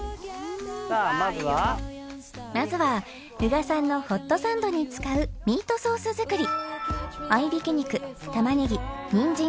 ［まずは宇賀さんのホットサンドに使うミートソース作り］